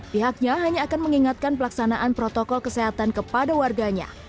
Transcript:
pihaknya hanya akan mengingatkan pelaksanaan protokol kesehatan kepada warganya